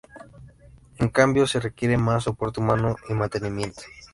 En cambio, se requiere más soporte humano y mantenimiento.